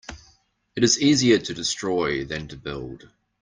It is easier to destroy than to build.